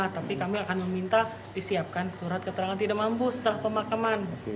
tapi kami akan meminta disiapkan surat keterangan tidak mampu setelah pemakaman